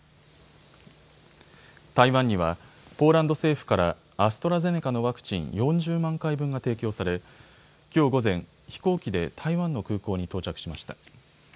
台湾にはポーランド政府からアストラゼネカのワクチン４０万回分が提供されきょう午前、飛行機で台湾の空港に到着しました。